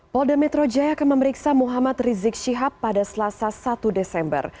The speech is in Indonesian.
polda metro jaya akan memeriksa muhammad rizik syihab pada selasa satu desember